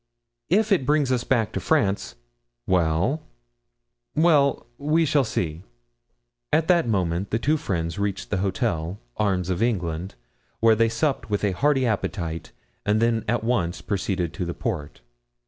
"If it brings us back to France——" "Well?" "Well, we shall see." At that moment the two friends reached the hotel, "Arms of England," where they supped with hearty appetite and then at once proceeded to the port.